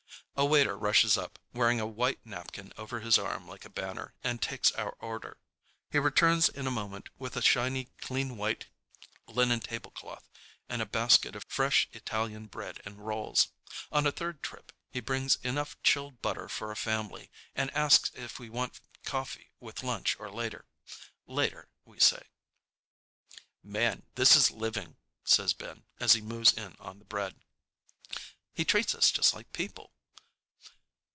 A waiter rushes up, wearing a white napkin over his arm like a banner, and takes our order. He returns in a moment with a shiny clean white linen tablecloth and a basket of fresh Italian bread and rolls. On a third trip he brings enough chilled butter for a family and asks if we want coffee with lunch or later. Later, we say. "Man, this is living!" says Ben as he moves in on the bread. "He treats us just like people."